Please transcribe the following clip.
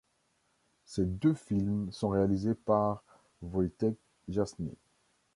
Ces deux films sont réalisés par Vojtech Jasny.